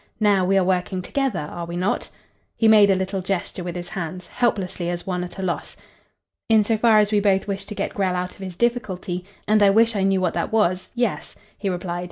Now we are working together are we not?" He made a little gesture with his hands, helplessly as one at a loss. "In so far as we both wish to get Grell out of his difficulty and I wish I knew what that was yes," he replied.